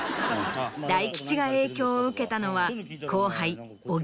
大吉が影響を受けたのは。